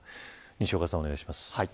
西岡さん、お願いします。